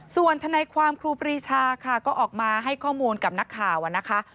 ส่วนทนายความครูปรีชาค่ะก็ออกมาให้ข้อมูลกับนักข่าวนะคะ